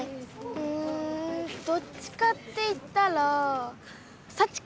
うんどっちかって言ったらサチかな？